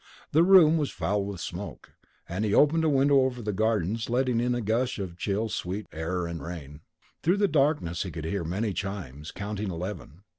The room was foul with smoke, and he opened a window over the gardens letting in a gush of chill sweet air and rain. Through the darkness he could hear many chimes, counting eleven.